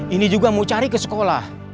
ini juga mau cari ke sekolah